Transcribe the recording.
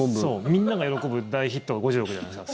みんなが喜ぶ大ヒットが５０億じゃないですか。